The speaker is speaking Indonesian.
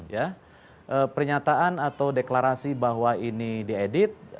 ya pernyataan atau deklarasi bahwa ini diedit